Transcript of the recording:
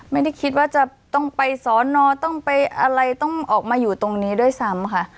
ไม่ได้คิดว่าจะต้องไปสอนอต้องไปอะไรต้องออกมาอยู่ตรงนี้ด้วยซ้ำค่ะ